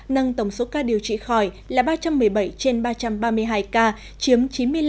nâng tổng số ca điều trị khỏi là ba trăm một mươi bảy trên ba trăm ba mươi hai ca chiếm chín mươi năm